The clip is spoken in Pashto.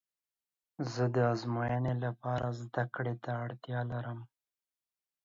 زه د ازموینې لپاره زده کړې ته څه اړتیا لرم؟